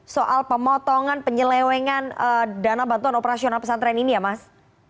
soal pemotongan penyelewengan dana bantuan operasional pesantren ini ya mas